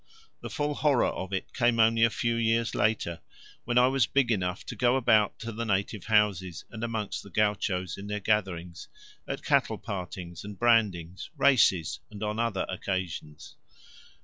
The full horror of it came only a few years later, when I was big enough to go about to the native houses and among the gauchos in their gatherings, at cattle partings and brandings, races, and on other occasions.